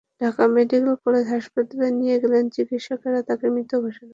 Dhaka medical college হাসপাতালে নিয়ে গেলে চিকিৎসকেরা তাঁকে মৃত ঘোষণা করেন।